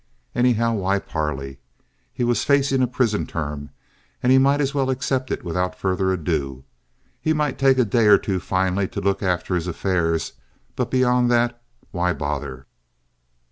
Anyhow, why parley? He was facing a prison term, and he might as well accept it without further ado. He might take a day or two finally to look after his affairs; but beyond that, why bother?